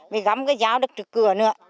mới gắm cái giáo được trực cửa nữa